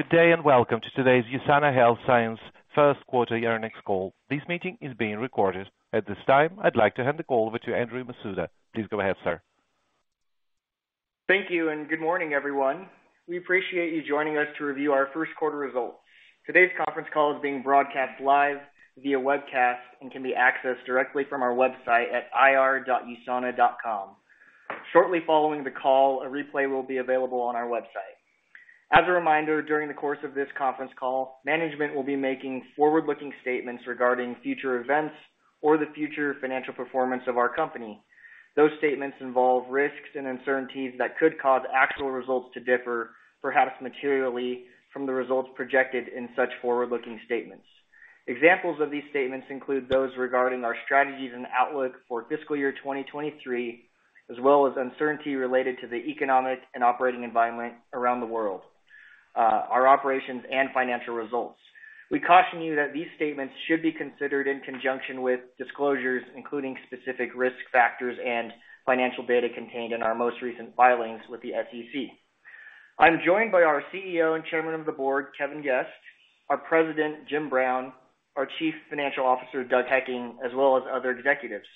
Good day, welcome to today's USANA Health Sciences first quarter year earnings call. This meeting is being recorded. At this time, I'd like to hand the call over to Andrew Masuda. Please go ahead, sir. Thank you good morning, everyone. We appreciate you joining us to review our first quarter results. Today's conference call is being broadcast live via webcast and can be accessed directly from our website at ir.usana.com. Shortly following the call, a replay will be available on our website. As a reminder, during the course of this conference call, management will be making forward-looking statements regarding future events or the future financial performance of our company. Those statements involve risks and uncertainties that could cause actual results to differ, perhaps materially from the results projected in such forward-looking statements. Examples of these statements include those regarding our strategies and outlook for fiscal year 2023, as well as uncertainty related to the economic and operating environment around the world, our operations and financial results. We caution you that these statements should be considered in conjunction with disclosures, including specific risk factors and financial data contained in our most recent filings with the SEC. I'm joined by our CEO and Chairman of the Board, Kevin Guest, our President, Jim Brown, our Chief Financial Officer, Doug Hekking, as well as other executives.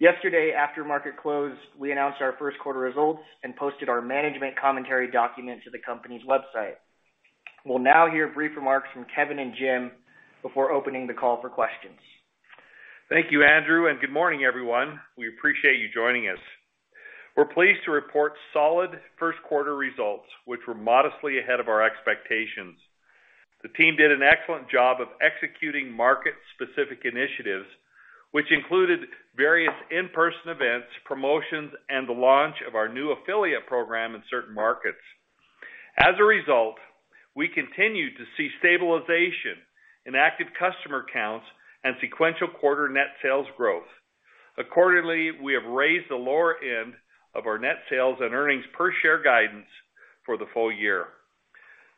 Yesterday, after market closed, we announced our first quarter results and posted our management commentary document to the company's website. We'll now hear brief remarks from Kevin and Jim before opening the call for questions. Thank you, Andrew, and good morning, everyone. We appreciate you joining us. We're pleased to report solid first quarter results, which were modestly ahead of our expectations. The team did an excellent job of executing market-specific initiatives, which included various in-person events, promotions, and the launch of our new Affiliate Program in certain markets. As a result, we continued to see stabilization in active customer counts and sequential quarter net sales growth. Accordingly, we have raised the lower end of our net sales and earnings per share guidance for the full year.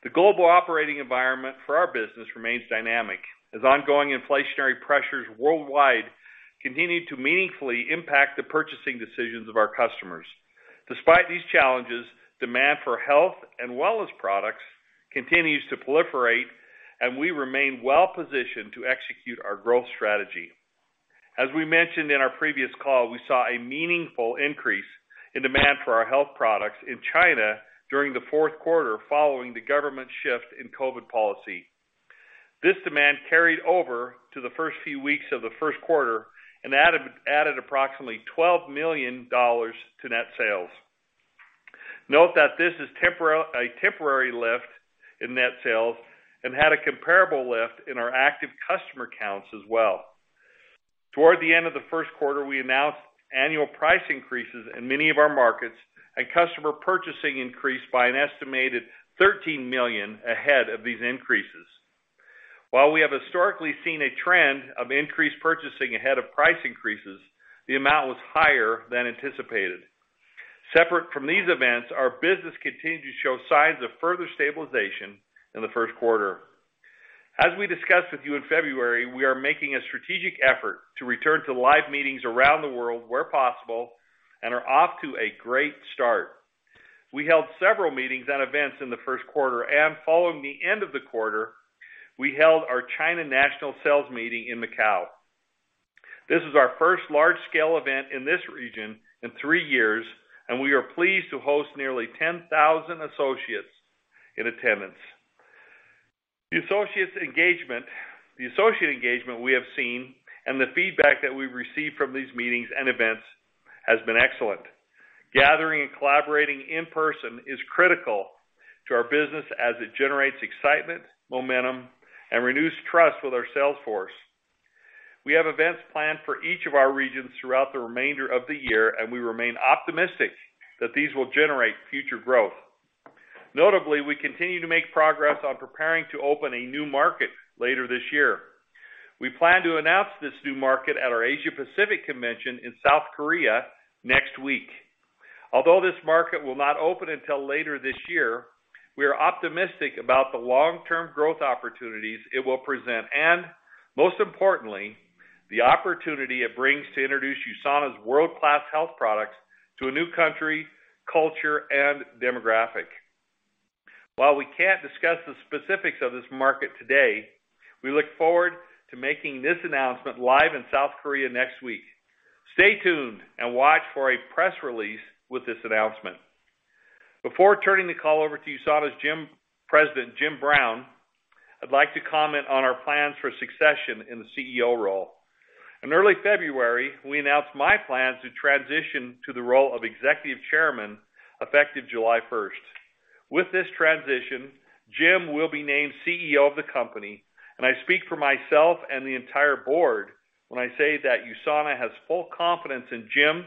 The global operating environment for our business remains dynamic as ongoing inflationary pressures worldwide continue to meaningfully impact the purchasing decisions of our customers. Despite these challenges, demand for health and wellness products continues to proliferate, and we remain well-positioned to execute our growth strategy. As we mentioned in our previous call, we saw a meaningful increase in demand for our health products in China during the fourth quarter following the government shift in COVID policy. This demand carried over to the first few weeks of the first quarter and added approximately $12 million to net sales. Note that this is a temporary lift in net sales and had a comparable lift in our active customer counts as well. Toward the end of the first quarter, we announced annual price increases in many of our markets, and customer purchasing increased by an estimated $13 million ahead of these increases. While we have historically seen a trend of increased purchasing ahead of price increases, the amount was higher than anticipated. Separate from these events, our business continued to show signs of further stabilization in the first quarter. As we discussed with you in February, we are making a strategic effort to return to live meetings around the world where possible and are off to a great start. We held several meetings and events in the first quarter, and following the end of the quarter, we held our China National Sales Meeting in Macau. This is our first large-scale event in this region in three years, and we are pleased to host nearly 10,000 associates in attendance. The associate engagement we have seen and the feedback that we've received from these meetings and events has been excellent. Gathering and collaborating in person is critical to our business as it generates excitement, momentum, and renews trust with our sales force. We have events planned for each of our regions throughout the remainder of the year, and we remain optimistic that these will generate future growth. Notably, we continue to make progress on preparing to open a new market later this year. We plan to announce this new market at our Asia Pacific Convention in South Korea next week. Although this market will not open until later this year, we are optimistic about the long-term growth opportunities it will present, and most importantly, the opportunity it brings to introduce USANA's world-class health products to a new country, culture, and demographic. While we can't discuss the specifics of this market today, we look forward to making this announcement live in South Korea next week. Stay tuned and watch for a press release with this announcement. Before turning the call over to USANA's President Jim Brown, I'd like to comment on our plans for succession in the CEO role. In early February, we announced my plans to transition to the role of Executive Chairman effective July first. With this transition, Jim will be named CEO of the company, and I speak for myself and the entire board when I say that USANA has full confidence in Jim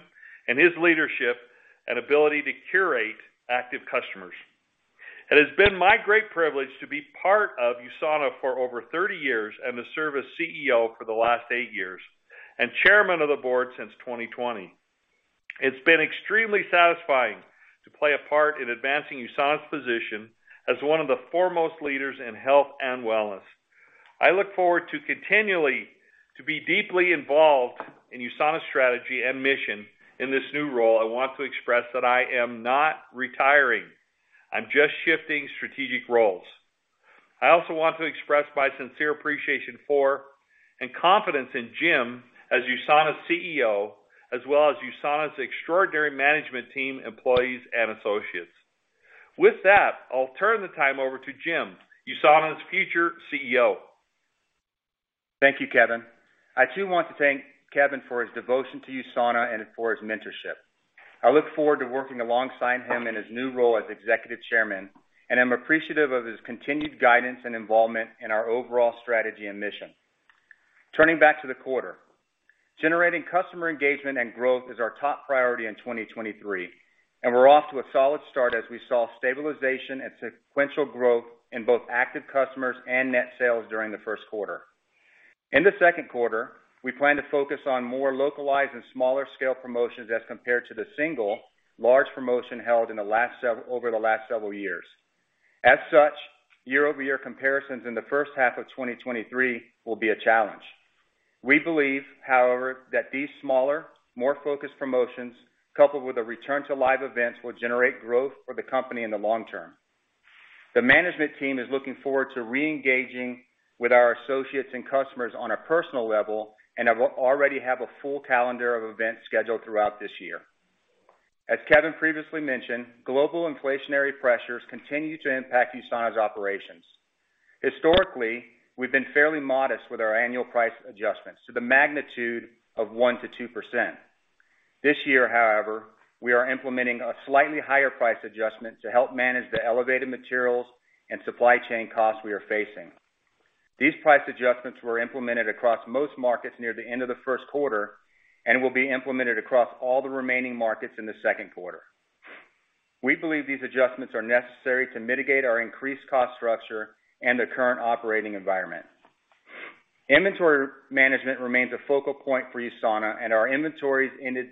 and his leadership and ability to curate active customers. It has been my great privilege to be part of USANA for over 30 years and to serve as CEO for the last eight years and chairman of the board since 2020. It's been extremely satisfying to play a part in advancing USANA's position as one of the foremost leaders in health and wellness. I look forward to continually to be deeply involved in USANA's strategy and mission in this new role. I want to express that I am not retiring. I'm just shifting strategic roles. I also want to express my sincere appreciation for and confidence in Jim as USANA's CEO, as well as USANA's extraordinary management team, employees, and associates. With that, I'll turn the time over to Jim, USANA's future CEO. Thank you, Kevin. I, too, want to thank Kevin for his devotion to USANA and for his mentorship. I look forward to working alongside him in his new role as Executive Chairman, and I'm appreciative of his continued guidance and involvement in our overall strategy and mission. Turning back to the quarter, generating customer engagement and growth is our top priority in 2023, and we're off to a solid start as we saw stabilization and sequential growth in both active customers and net sales during the first quarter. In the second quarter, we plan to focus on more localized and smaller scale promotions as compared to the single large promotion held over the last several years. As such, year-over-year comparisons in the first half of 2023 will be a challenge. We believe, however, that these smaller, more focused promotions, coupled with a return to live events, will generate growth for the company in the long term. The management team is looking forward to reengaging with our associates and customers on a personal level and already have a full calendar of events scheduled throughout this year. As Kevin previously mentioned, global inflationary pressures continue to impact USANA's operations. Historically, we've been fairly modest with our annual price adjustments to the magnitude of 1%-2%. This year, however, we are implementing a slightly higher price adjustment to help manage the elevated materials and supply chain costs we are facing. These price adjustments were implemented across most markets near the end of the first quarter and will be implemented across all the remaining markets in the second quarter. We believe these adjustments are necessary to mitigate our increased cost structure and the current operating environment. Inventory management remains a focal point for USANA, Our inventories ended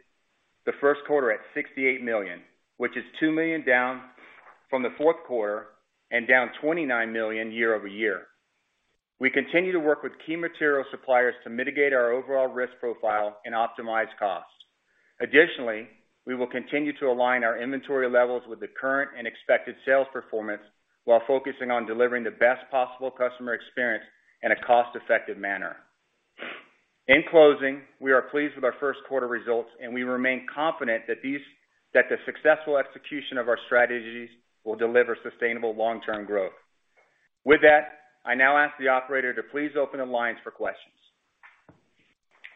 the first quarter at $68 million, which is $2 million down from the fourth quarter and down $29 million year-over-year. We continue to work with key material suppliers to mitigate our overall risk profile and optimize costs. We will continue to align our inventory levels with the current and expected sales performance while focusing on delivering the best possible customer experience in a cost-effective manner. We are pleased with our first quarter results, and we remain confident that the successful execution of our strategies will deliver sustainable long-term growth. I now ask the operator to please open the lines for questions.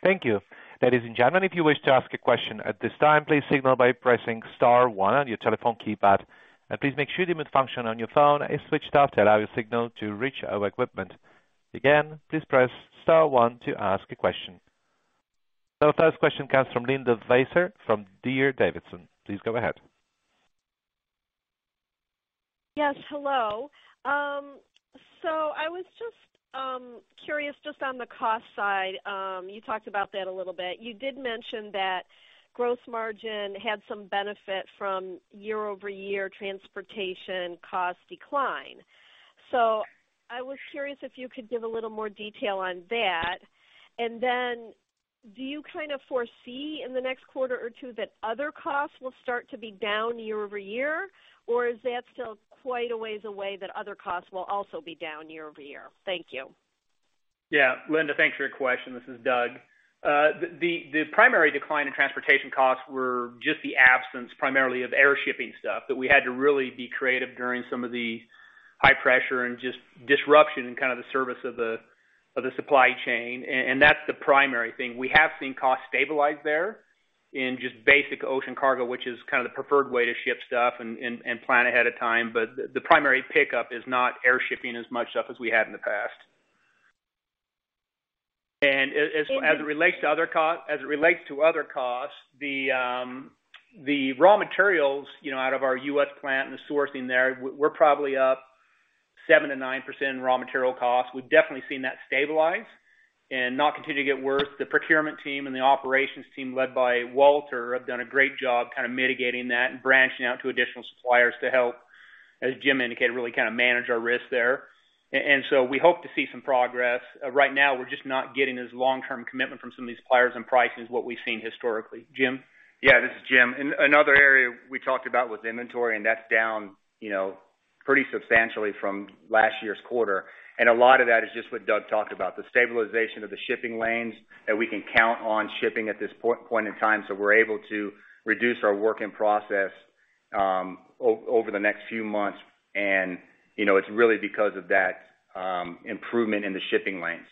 Thank you. Ladies and gentlemen, if you wish to ask a question at this time, please signal by pressing star one on your telephone keypad, and please make sure the mute function on your phone is switched off to allow your signal to reach our equipment. Again, please press star one to ask a question. First question comes from Linda Bolton-Weiser from D.A. Davidson. Please go ahead. Hello. I was just curious just on the cost side. You talked about that a little bit. You did mention that gross margin had some benefit from year-over-year transportation cost decline. I was curious if you could give a little more detail on that. Do you kind of foresee in the next quarter or two that other costs will start to be down year-over-year, or is that still quite a ways away that other costs will also be down year-over-year? Thank you. Yeah. Linda, thanks for your question. This is Doug. The primary decline in transportation costs were just the absence primarily of air shipping stuff that we had to really be creative during some of the high pressure and just disruption in kind of the service of the supply chain. That's the primary thing. We have seen costs stabilize there in just basic ocean cargo, which is kind of the preferred way to ship stuff and plan ahead of time. The primary pickup is not air shipping as much stuff as we had in the past. As it relates to other costs, the raw materials, you know, out of our U.S. plant and the sourcing there, we're probably up 7%-9% in raw material costs. We've definitely seen that stabilize and not continue to get worse. The procurement team and the operations team led by Walter have done a great job kind of mitigating that and branching out to additional suppliers to help, as Jim indicated, really kind of manage our risk there. We hope to see some progress. Right now, we're just not getting as long-term commitment from some of these suppliers and prices what we've seen historically. Jim. Yeah, this is Jim. Another area we talked about was inventory, and that's down, you know, pretty substantially from last year's quarter. A lot of that is just what Doug talked about, the stabilization of the shipping lanes that we can count on shipping at this point in time. We're able to reduce our work in process over the next few months. You know, it's really because of that improvement in the shipping lanes.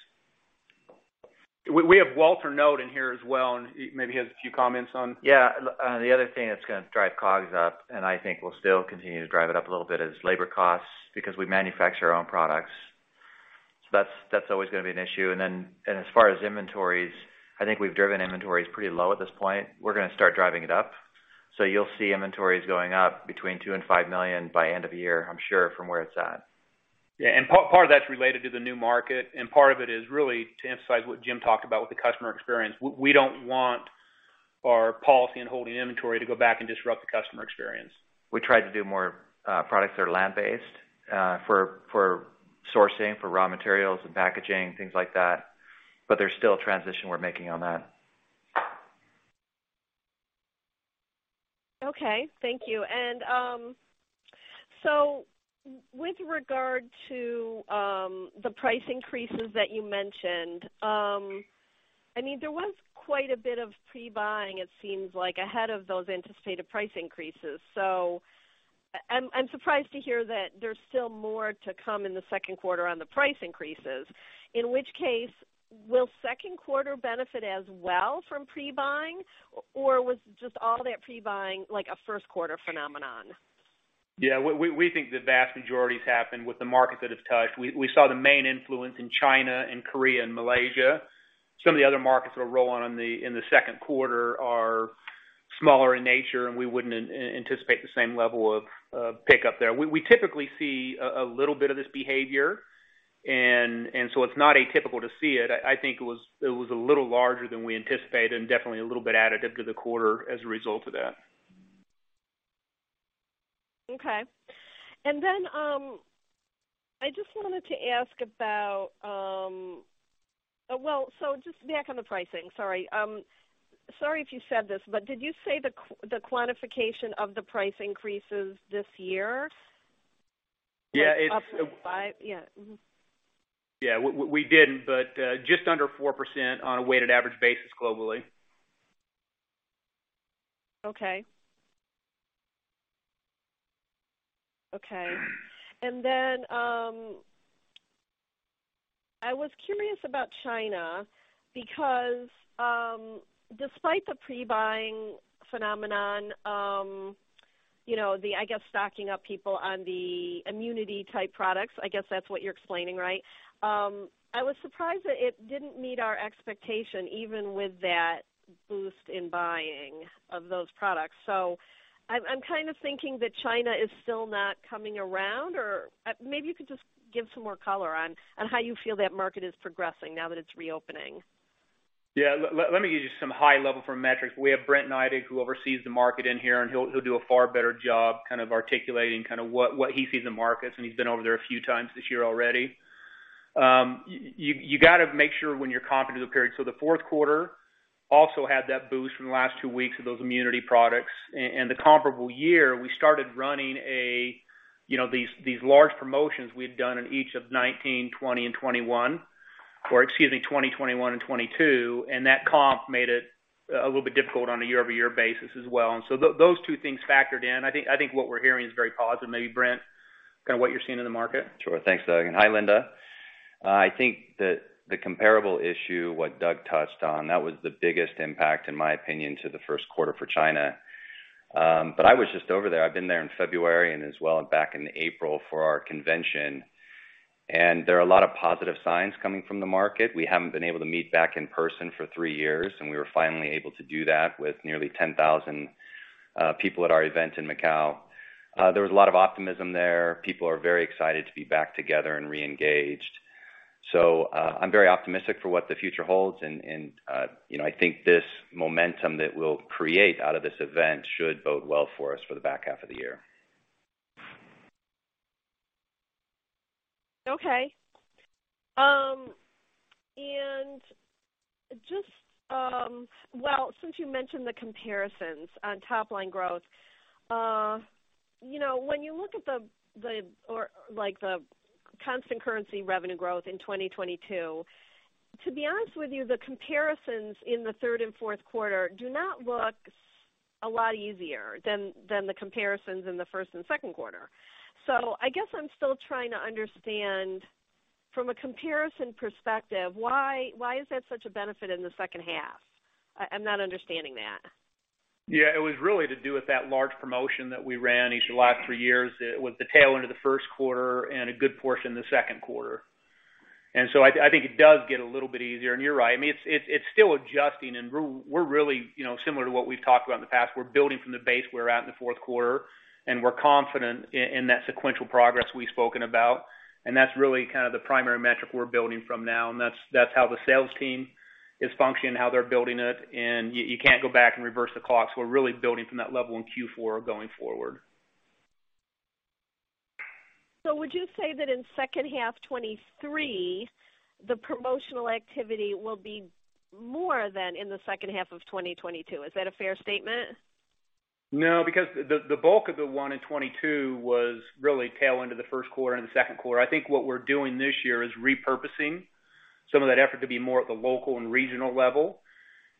We have Walter Noot in here as well, and he maybe has a few comments on... Yeah. The other thing that's gonna drive COGS up, and I think we'll still continue to drive it up a little bit, is labor costs because we manufacture our own products. That's always gonna be an issue. As far as inventories, I think we've driven inventories pretty low at this point. We're gonna start driving it up. You'll see inventories going up between $2 million and $5 million by end of the year, I'm sure, from where it's at. Yeah. Part of that's related to the new market, and part of it is really to emphasize what Jim talked about with the customer experience. We don't want... Our policy and holding inventory to go back and disrupt the customer experience. We try to do more products that are land-based for sourcing, for raw materials and packaging, things like that. There's still a transition we're making on that. Okay. Thank you. With regard to the price increases that you mentioned, I mean, there was quite a bit of pre-buying, it seems like, ahead of those anticipated price increases. I'm surprised to hear that there's still more to come in the second quarter on the price increases, in which case, will second quarter benefit as well from pre-buying or was just all that pre-buying like a first quarter phenomenon? We think the vast majority has happened with the market that it's touched. We saw the main influence in China and Korea and Malaysia. Some of the other markets that are rolling in the second quarter are smaller in nature. We wouldn't anticipate the same level of pickup there. We typically see a little bit of this behavior, and so it's not atypical to see it. I think it was a little larger than we anticipated and definitely a little bit additive to the quarter as a result of that. Okay. I just wanted to ask about... just back on the pricing. Sorry. Sorry if you said this, but did you say the quantification of the price increases this year? Yeah. Up to five? Yeah. Yeah, we did, but just under 4% on a weighted average basis globally. Okay. Okay. Then, I was curious about China because, despite the pre-buying phenomenon, you know, the, I guess, stocking up people on the immunity type products, I guess that's what you're explaining, right? I was surprised that it didn't meet our expectation, even with that boost in buying of those products. I'm kind of thinking that China is still not coming around or maybe you could just give some more color on how you feel that market is progressing now that it's reopening? Yeah. Let me give you some high level from metrics. We have Brent Neidig, who oversees the market in here, and he'll do a far better job kind of articulating what he sees in the markets, and he's been over there a few times this year already. You got to make sure when you're comping to the period. The fourth quarter also had that boost from the last two weeks of those immunity products. And the comparable year, we started running, you know, these large promotions we had done in each of 2019, 2020 and 2021. Or excuse me, 2020, 2021 and 2022. That comp made it a little bit difficult on a year-over-year basis as well. Those two things factored in. I think what we're hearing is very positive. Maybe Brent, kind of what you're seeing in the market. Sure. Thanks, Doug. Hi, Linda. I think that the comparable issue, what Doug touched on, that was the biggest impact, in my opinion, to the first quarter for China. I was just over there. I've been there in February and as well back in April for our convention. There are a lot of positive signs coming from the market. We haven't been able to meet back in person for three years, and we were finally able to do that with nearly 10,000 people at our event in Macau. There was a lot of optimism there. People are very excited to be back together and reengaged. I'm very optimistic for what the future holds and, you know, I think this momentum that we'll create out of this event should bode well for us for the back half of the year. Okay. Well, since you mentioned the comparisons on top line growth, you know, when you look at the, or like the constant currency revenue growth in 2022, to be honest with you, the comparisons in the third and fourth quarter do not look a lot easier than the comparisons in the first and second quarter. I guess I'm still trying to understand from a comparison perspective, why is that such a benefit in the second half? I'm not understanding that. Yeah. It was really to do with that large promotion that we ran each of the last three years. It was the tail end of the first quarter and a good portion of the second quarter. I think it does get a little bit easier. You're right. I mean, it's still adjusting and we're really, you know, similar to what we've talked about in the past. We're building from the base we're at in the fourth quarter, and we're confident in that sequential progress we've spoken about. That's really kind of the primary metric we're building from now. That's how the sales team is functioning, how they're building it, and you can't go back and reverse the clocks. We're really building from that level in Q4 going forward. Would you say that in second half 2023, the promotional activity will be more than in the second half of 2022? Is that a fair statement? No, because the bulk of the one in 2022 was really tail end of the first quarter and the second quarter. I think what we're doing this year is repurposing some of that effort to be more at the local and regional level.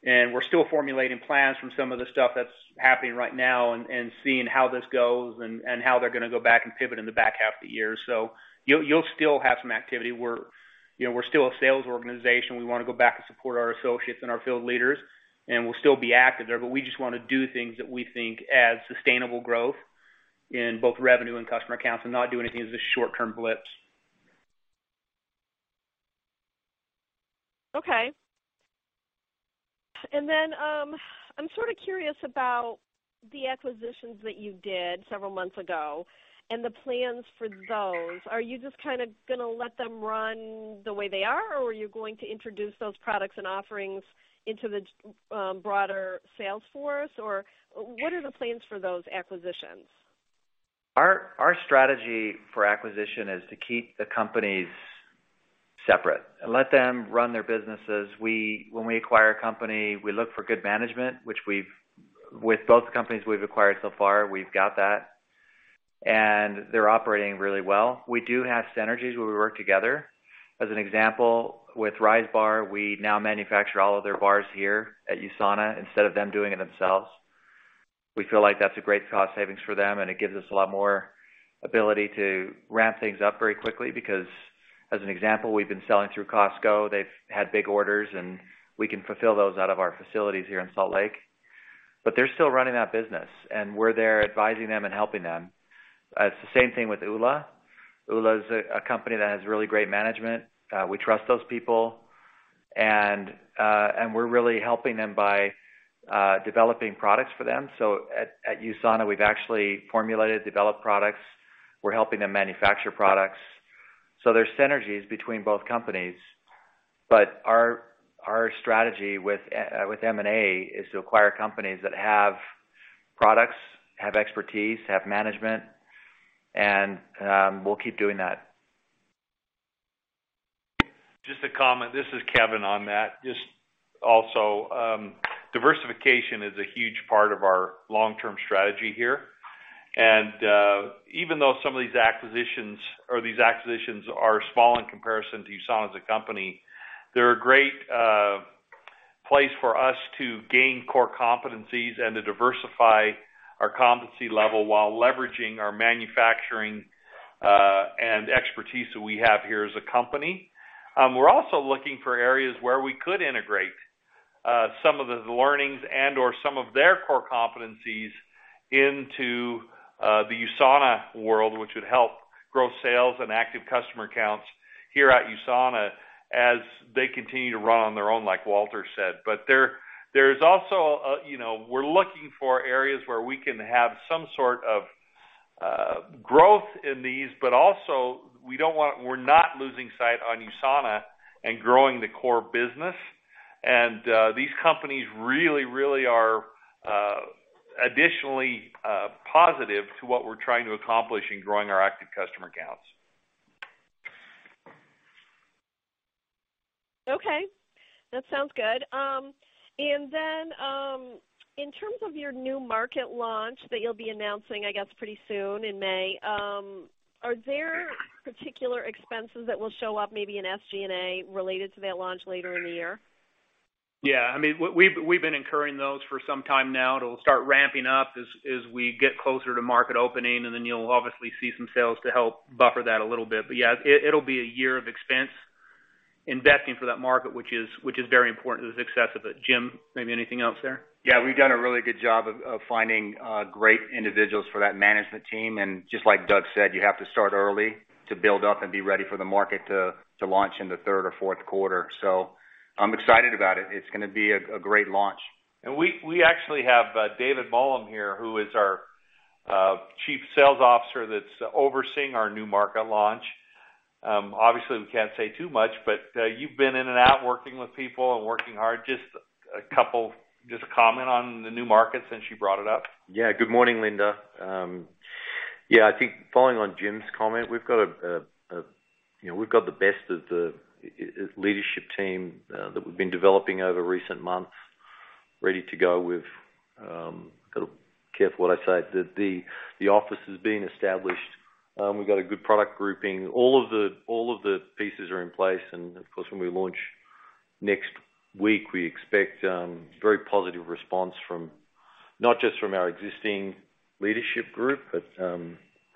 We're still formulating plans from some of the stuff that's happening right now and seeing how this goes and how they're gonna go back and pivot in the back half of the year. You'll, you'll still have some activity. We're, you know, we're still a sales organization. We wanna go back and support our associates and our field leaders, and we'll still be active there. We just wanna do things that we think add sustainable growth in both revenue and customer accounts and not do anything as just short-term blips. Okay. Then, I'm sort of curious about the acquisitions that you did several months ago and the plans for those, are you just kind of gonna let them run the way they are or are you going to introduce those products and offerings into the broader sales force? What are the plans for those acquisitions? Our strategy for acquisition is to keep the companies separate and let them run their businesses. When we acquire a company, we look for good management, which with both companies we've acquired so far, we've got that, and they're operating really well. We do have synergies where we work together. As an example, with Rise Bar, we now manufacture all of their bars here at USANA instead of them doing it themselves. We feel like that's a great cost savings for them, and it gives us a lot more ability to ramp things up very quickly because as an example, we've been selling through Costco. They've had big orders, we can fulfill those out of our facilities here in Salt Lake. They're still running that business and we're there advising them and helping them. It's the same thing with Oola. Oola is a company that has really great management. We trust those people and we're really helping them by developing products for them. At USANA, we've actually formulated, developed products. We're helping them manufacture products. There's synergies between both companies. Our strategy with M&A is to acquire companies that have products, have expertise, have management, and we'll keep doing that. Just a comment. This is Kevin on that. Just also, diversification is a huge part of our long-term strategy here. Even though some of these acquisitions or these acquisitions are small in comparison to USANA as a company, they're a great place for us to gain core competencies and to diversify our competency level while leveraging our manufacturing and expertise that we have here as a company. We're also looking for areas where we could integrate some of the learnings and/or some of their core competencies into the USANA world, which would help grow sales and active customer counts here at USANA as they continue to run on their own, like Walter said. There is also a, you know... We're looking for areas where we can have some sort of growth in these, but also we're not losing sight on USANA and growing the core business. These companies really are additionally positive to what we're trying to accomplish in growing our active customer accounts. Okay. That sounds good. In terms of your new market launch that you'll be announcing, I guess, pretty soon in May, are there particular expenses that will show up maybe in SG&A related to that launch later in the year? Yeah. I mean, we've been incurring those for some time now. It'll start ramping up as we get closer to market opening, and then you'll obviously see some sales to help buffer that a little bit. But yeah, it'll be a year of expense investing for that market, which is very important to the success of it. Jim, maybe anything else there? Yeah. We've done a really good job of finding great individuals for that management team. Just like Doug said, you have to start early to build up and be ready for the market to launch in the third or fourth quarter. I'm excited about it. It's gonna be a great launch. We actually have David Mulham here, who is our Chief Sales Officer that's overseeing our new market launch. Obviously, we can't say too much, but you've been in and out working with people and working hard. Just a comment on the new markets since you brought it up. Yeah. Good morning, Linda. I think following on Jim's comment, we've got a, you know, we've got the best of the leadership team that we've been developing over recent months ready to go with, gotta careful what I say. The office has been established. We've got a good product grouping. All of the pieces are in place. Of course, when we launch next week, we expect very positive response from, not just from our existing leadership group, but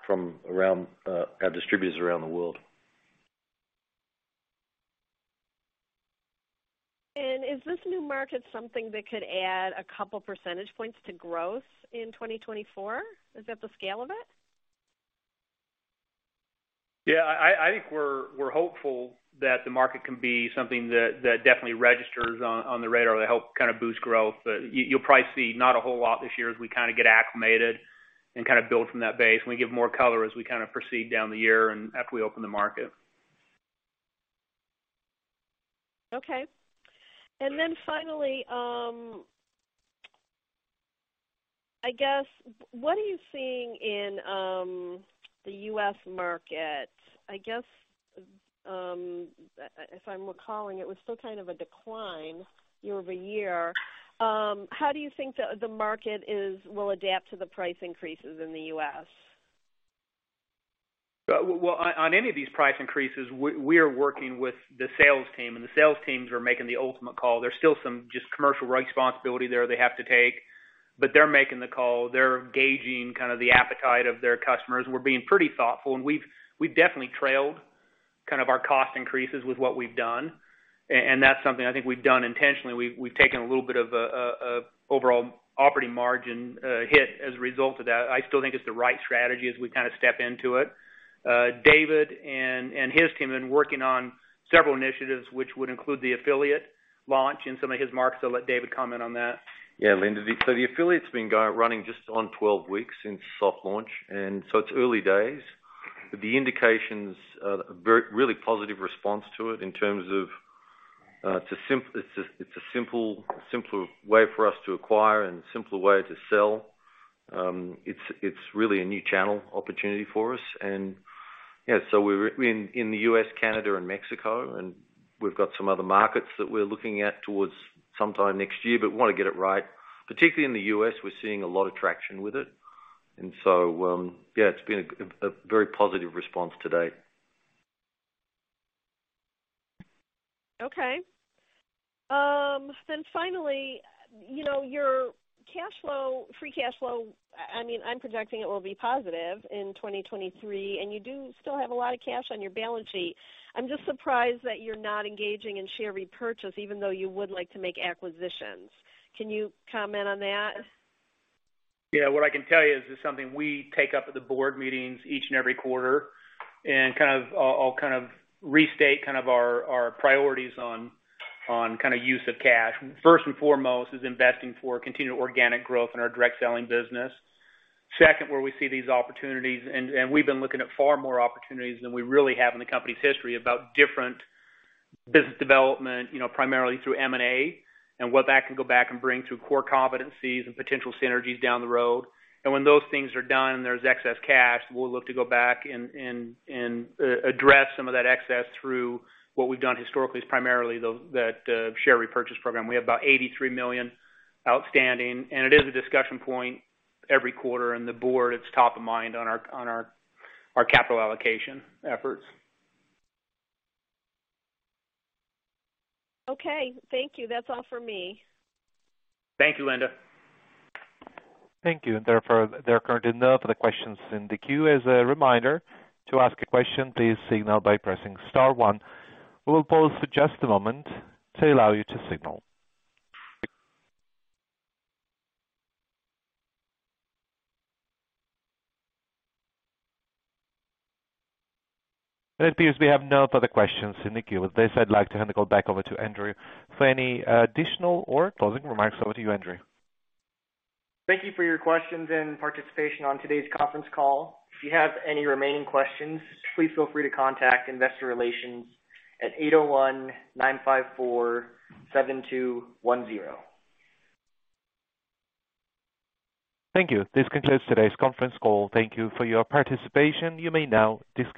from around our distributors around the world. Is this new market something that could add a couple percentage points to growth in 2024? Is that the scale of it? Yeah. I think we're hopeful that the market can be something that definitely registers on the radar to help kind of boost growth. You'll probably see not a whole lot this year as we kind of get acclimated and kind of build from that base and we give more color as we kind of proceed down the year and after we open the market. Okay. Finally, I guess, what are you seeing in the U.S. market? I guess, if I'm recalling, it was still kind of a decline year-over-year. How do you think the market will adapt to the price increases in the U.S.? Well, on any of these price increases, we are working with the sales team, and the sales teams are making the ultimate call. There's still some just commercial responsibility there they have to take, but they're making the call. They're gauging kind of the appetite of their customers. We're being pretty thoughtful, and we've definitely trailed kind of our cost increases with what we've done. That's something I think we've done intentionally. We've taken a little bit of a overall operating margin hit as a result of that. I still think it's the right strategy as we kind of step into it. David and his team have been working on several initiatives, which would include the Affiliate launch in some of his markets. I'll let David comment on that. Yeah, Linda. The affiliate's been running just on 12 weeks since soft launch, and so it's early days. The indications are really positive response to it in terms of, it's a simple, simpler way for us to acquire and simpler way to sell. It's really a new channel opportunity for us. Yeah, we're in the U.S., Canada and Mexico, and we've got some other markets that we're looking at towards sometime next year, but we wanna get it right. Particularly in the U.S., we're seeing a lot of traction with it. Yeah, it's been a very positive response to date. Okay. Finally, you know, your cash flow, free cash flow, I mean, I'm projecting it will be positive in 2023, and you do still have a lot of cash on your balance sheet. I'm just surprised that you're not engaging in share repurchase even though you would like to make acquisitions. Can you comment on that? Yeah. What I can tell you is it's something we take up at the board meetings each and every quarter, and I'll kind of restate kind of our priorities on kind of use of cash. First and foremost is investing for continued organic growth in our direct selling business. Second, where we see these opportunities, and we've been looking at far more opportunities than we really have in the company's history about different business development, you know, primarily through M&A and what that can go back and bring to core competencies and potential synergies down the road. When those things are done and there's excess cash, we'll look to go back and address some of that excess through what we've done historically is primarily that share repurchase program. We have about 83 million outstanding. It is a discussion point every quarter in the board. It's top of mind on our capital allocation efforts. Okay. Thank you. That's all for me. Thank you, Linda. Thank you. Therefore, there are currently no further questions in the queue. As a reminder, to ask a question, please signal by pressing star one. We will pause for just a moment to allow you to signal. It appears we have no further questions in the queue. With this, I'd like to hand the call back over to Andrew for any additional or closing remarks. Over to you, Andrew. Thank you for your questions and participation on today's conference call. If you have any remaining questions, please feel free to contact investor relations at 801-954-7210. Thank you. This concludes today's conference call. Thank you for your participation. You may now disconnect.